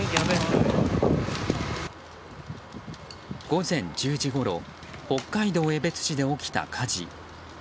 午前１０時ごろ北海道江別市で起きた火事。